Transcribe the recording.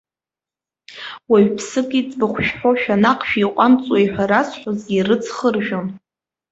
Уаҩԥсык иӡбахә шәҳәошәа, наҟ шәиҟәамҵуеи ҳәа разҳәозгьы, рыц хьыржәон.